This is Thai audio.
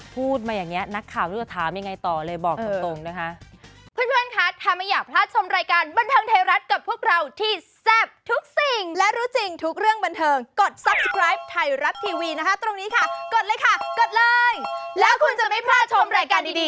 พูดมาอย่างนี้นักข่าวจะถามยังไงต่อเลยบอกตรงนะคะ